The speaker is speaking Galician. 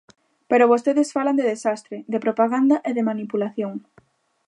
Pero vostedes falan de desastre, de propaganda e de manipulación.